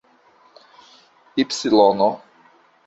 ipsilono